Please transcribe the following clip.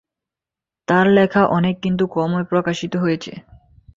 তার লেখা অনেক কিন্তু কমই প্রকাশিত হয়েছে।